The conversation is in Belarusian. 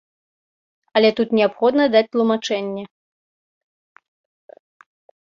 Але тут неабходна даць тлумачэнне.